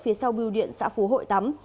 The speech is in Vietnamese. phía sau biêu điện xã phú hội tắm